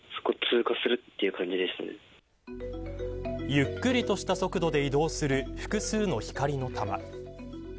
ゆっくりとした速度で移動する複数の光の玉。